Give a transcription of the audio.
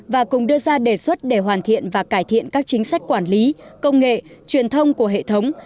và cùng đưa ra đề xuất để hoàn thiện và cải thiện các chính sách quản lý công nghệ truyền thông của hệ thống